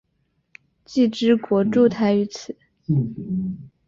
既之国筑台于此。